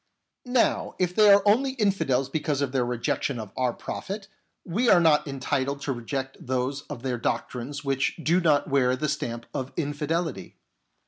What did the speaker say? Now, if they are only infidels because of their rejection of our prophet, we are not entitled to reject those of their doctrines which do not wear the stamp of infidelity.